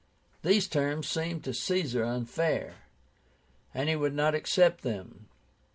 These terms seemed to Caesar unfair, and he would not accept them.